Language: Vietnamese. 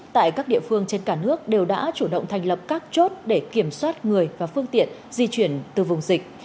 tại các địa phương trên cả nước đều đã chủ động thành lập các chốt để kiểm soát người và phương tiện di chuyển từ vùng dịch